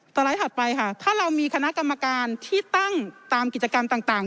ไลด์ถัดไปค่ะถ้าเรามีคณะกรรมการที่ตั้งตามกิจกรรมต่าง